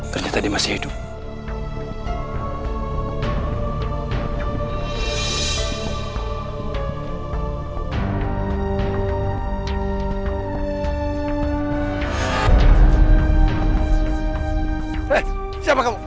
ternyata dia masih hidup